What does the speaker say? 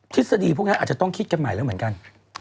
ทฤษฎีพวกนั้นอาจจะต้องคิดกันใหม่แล้วเหมือนกัน